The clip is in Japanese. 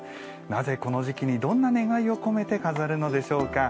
なぜ、この時期にどんな願いを込めて飾るのでしょうか。